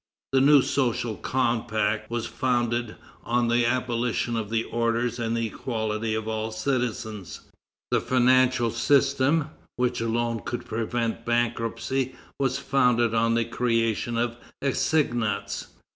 The new social compact was founded on the abolition of the orders and the equality of all citizens. The financial system, which alone could prevent bankruptcy, was founded on the creation of assignats.